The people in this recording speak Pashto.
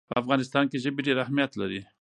په افغانستان کې ژبې ډېر اهمیت لري.